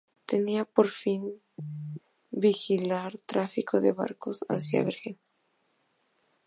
Tenía por fin vigilar el tráfico de barcos hacia Bergen.